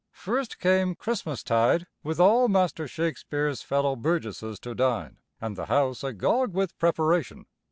First came Christmastide, with all Master Shakespeare's fellow burgesses to dine and the house agog with preparation.